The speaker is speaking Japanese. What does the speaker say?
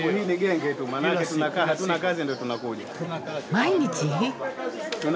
毎日？